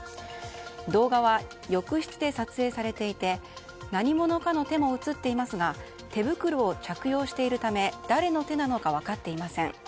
動画は浴室で撮影されていて何者かの手も映っていますが手袋を着用しているため誰の手なのか分かっていません。